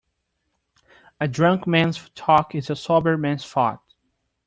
A drunk man's talk is a sober man's thought.